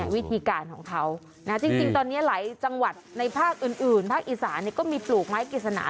วิธีการของเขาจริงตอนนี้หลายจังหวัดในภาคอื่นภาคอีสานก็มีปลูกไม้กฤษณา